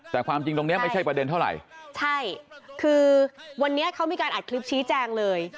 แต่ความจริงตรงเนี้ยไม่ใช่ประเด็นเท่าไหร่ใช่คือวันนี้เขามีการอัดคลิปชี้แจงเลย